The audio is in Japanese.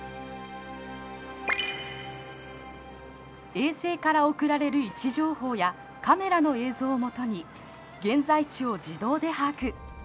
衛星から送られる位置情報やカメラの映像をもとに現在地を自動で把握。